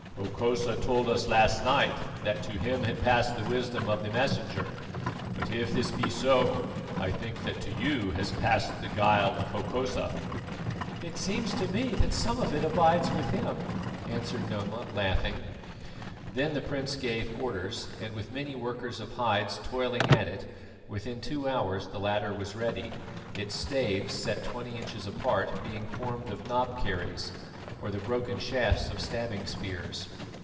"Hokosa told us last night that to him had passed the wisdom of the Messenger; but if this be so, I think that to you has passed the guile of Hokosa." "It seems to me that some of it abides with him," answered Noma laughing. Then the prince gave orders, and, with many workers of hides toiling at it, within two hours the ladder was ready, its staves, set twenty inches apart, being formed of knob kerries, or the broken shafts of stabbing spears.